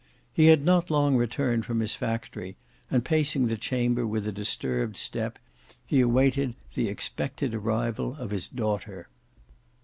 He had not long returned from his factory, and pacing the chamber with a disturbed step, he awaited the expected arrival of his daughter.